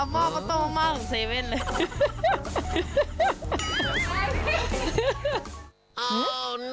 ผู้ขายเอามาทุกของเซเว่นเลย